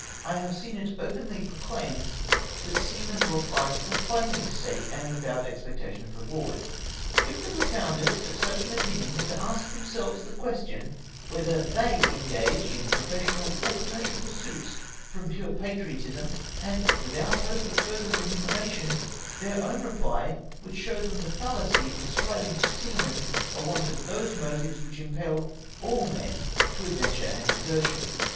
I have seen it openly proclaimed that seamen will fisT; ht for fio;]itino:'s sake, and without expectation of reward. If the propounders of such an opinion were to ask themselves the question, whether they engage m professional or commercial pursuits from pure patriotism, and without hope of further remuneration, theu^ own reply would show them the fallacy of ascribing to seamen a want of those motives which impel all men to adventure and exertion.